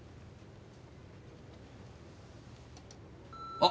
あっ！